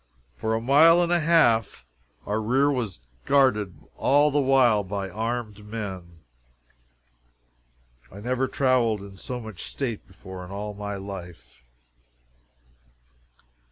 For a mile and a half our rear was guarded all the while by armed men. I never traveled in so much state before in all my life.